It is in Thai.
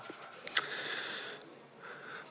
เพราะฉะนั้นโทษเหล่านี้มีทั้งสิ่งที่ผิดกฎหมายใหญ่นะครับ